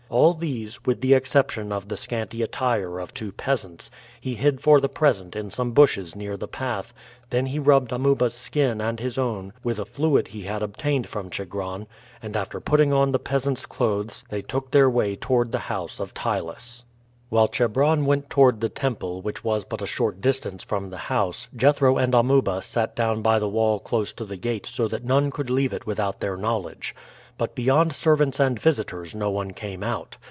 All these, with the exception of the scanty attire of two peasants, he hid for the present in some bushes near the path, then he rubbed Amuba's skin and his own with a fluid he had obtained from Chigron; and after putting on the peasants' clothes they took their way toward the house of Ptylus. While Chebron went toward the temple, which was but a short distance from the house, Jethro and Amuba sat down by the wall close to the gate so that none could leave it without their knowledge. But beyond servants and visitors no one came out.